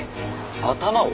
頭を？